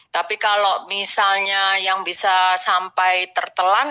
tapi kalau misalnya yang bisa sampai tertelan